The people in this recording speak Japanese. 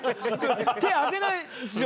手挙げないですよね